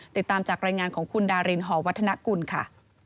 ติดตามจากรายงานของคุณดารินหอวัฒนกุลค่ะ